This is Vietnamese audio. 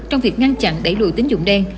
trong việc ngăn chặn đẩy lùi tính dụng đen